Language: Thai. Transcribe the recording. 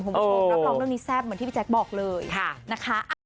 รับรองเรื่องนี้แซ่บเป็นที่พี่แจ๊คบอกเลยนะคะ